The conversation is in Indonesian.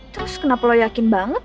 terus kenapa lo yakin banget